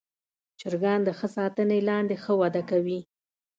چرګان د ښه ساتنې لاندې ښه وده کوي.